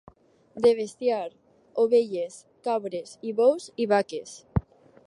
De bestiar, ovelles, cabres i bous i vaques.